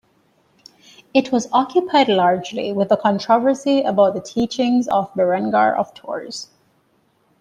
It was occupied largely with the controversy about the teachings of Berengar of Tours.